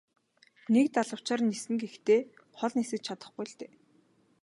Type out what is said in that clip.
Нэг далавчаар ниснэ гэхдээ хол нисэж чадахгүй л дээ.